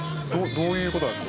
どういうことなんですか？